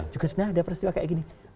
juga sebenarnya ada peristiwa kayak gini